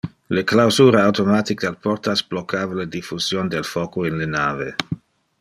Le clausura automatic del portas blocava le diffusion del foco in le nave.